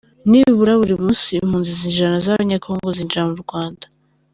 Nibura buri munsi impunzi ijana z’abanyekongo zinjira mu Rwanda